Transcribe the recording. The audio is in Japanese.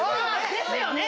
ですよね？